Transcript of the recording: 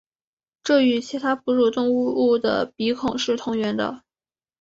这与其他哺乳动物的鼻孔是同源的。